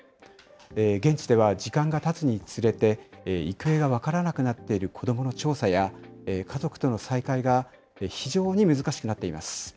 現地では時間がたつにつれて、行方が分からなくなっている子どもの調査や家族との再会が非常に難しくなっています。